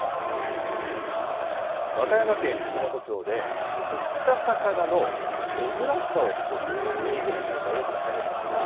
和歌山県串本町で、釣った魚の珍しさを競うという、ユニークな大会が開かれました。